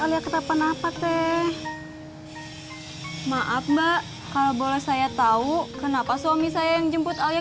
alia ke tapanapa teh maaf mbak kalau boleh saya tahu kenapa suami saya yang jemput alia